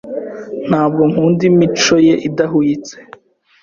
Ntabwo nkunda imico ye idahwitse.